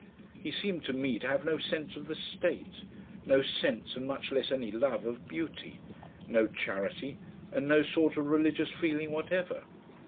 He seemed to me to have no sense of the state, no sense and much less any love of beauty, no charity and no sort of religious feeling whatever.